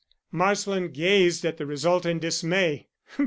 Marsland gazed at the result in dismay.